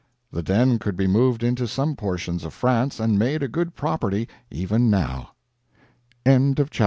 The den could be moved into some portions of France and made a good property even now. A TRAMP ABROAD, Part 4.